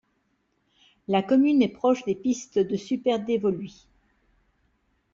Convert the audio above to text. La commune est proche des pistes de Super Dévoluy.